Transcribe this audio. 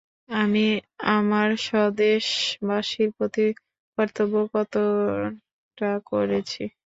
আমি আমার স্বদেশবাসীর প্রতি কর্তব্য কতকটা করেছি।